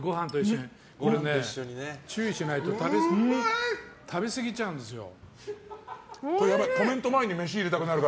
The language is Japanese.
これ、注意しないと食べすぎちゃうんですよ。